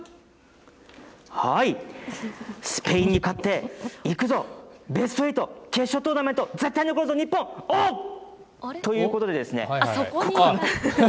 スペインに勝って、行くぞ、ベスト８、決勝トーナメント、絶対に残るぞ、日本、おー！ということでですね。